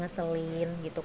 kami bisa beristirahat sejenak